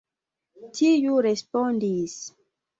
Tiu respondis.